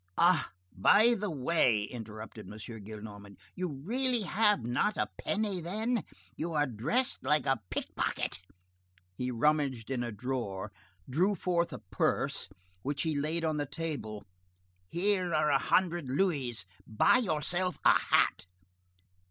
"Ah, by the way," interrupted M. Gillenormand, "you really have not a penny then? You are dressed like a pickpocket." He rummaged in a drawer, drew forth a purse, which he laid on the table: "Here are a hundred louis, buy yourself a hat."